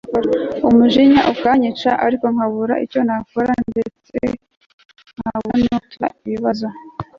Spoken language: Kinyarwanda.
umujinya ukanyica ariko nkabura icyo nakora ndetse nkabura nuwo natura ibibazo